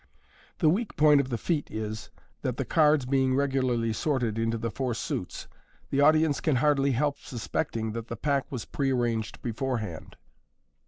The weak point of the feat is, that the cards being regularly sorted into the four suits, the audience can hardly help suspecting that the pack was pre arranged beforehand.